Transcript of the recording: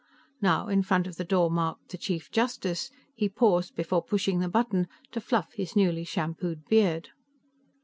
Now, in front of the door marked THE CHIEF JUSTICE, he paused before pushing the button to fluff his newly shampooed beard.